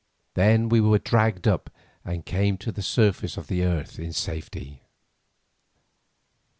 Then we were dragged up, and came to the surface of the earth in safety.